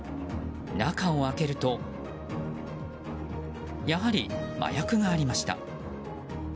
中を開けるとやはり麻薬がありました。